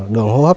đường hô hấp